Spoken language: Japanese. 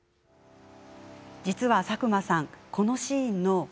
実は、佐久間さんこのシーンの。